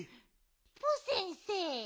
ヒポ先生。